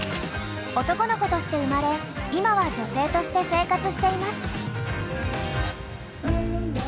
男の子として生まれ今は女性として生活しています。